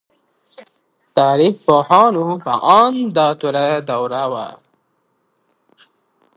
د تاريخ پوهانو په اند دا توره دوره وه.